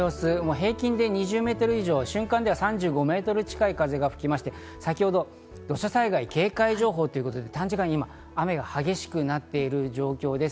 平均で２０メートル以上、瞬間では３５メートル近い風が吹きまして、先ほど土砂災害警戒情報ということで短時間に今、雨が激しくなっている状況です。